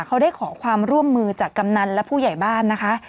เขาได้ขอความร่วมมือจากกำนันและผู้ใหญ่บ้านนะคะ